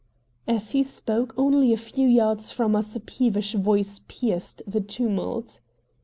As he spoke, only a few yards from us a peevish voice pierced the tumult.